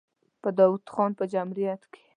په داوود خان په جمهوریت کې.